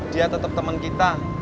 dia tetep temen kita